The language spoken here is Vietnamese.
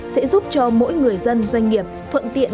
sẽ giúp cho mỗi người dân doanh nghiệp thuận tiện